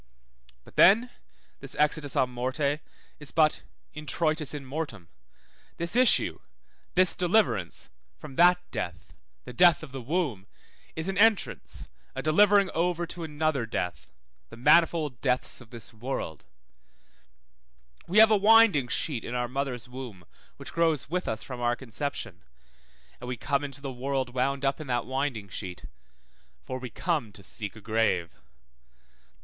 But then this exitus à morte is but introitus in mortem; this issue, this deliverance, from that death, the death of the womb, is an entrance, a delivering over to another death, the manifold deaths of this world; we have a winding sheet in our mother's womb which grows with us from our conception, and we come into the world wound up in that winding sheet, for we come to seek a grave.